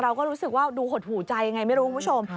เราก็รู้สึกว่าดูหดหูใจไงไม่รู้คุณผู้ชม